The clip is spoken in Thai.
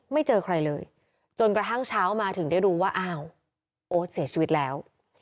เจอใครเลยจนกระทั่งเช้ามาถึงได้รู้ว่าอ้าวโอ๊ตเสียชีวิตแล้ว